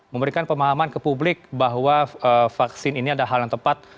memberikan pemahaman ke publik bahwa vaksin ini adalah hal yang tepat